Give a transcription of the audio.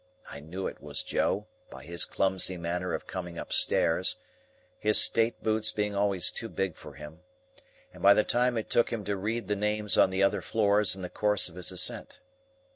I knew it was Joe, by his clumsy manner of coming upstairs,—his state boots being always too big for him,—and by the time it took him to read the names on the other floors in the course of his ascent.